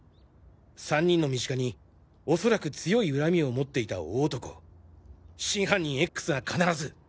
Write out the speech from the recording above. ３人の身近に恐らく強い恨みを持っていた大男真犯人Ｘが必ず。